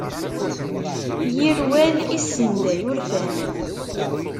Yir wal issenday urfan.